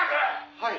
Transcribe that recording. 「はい」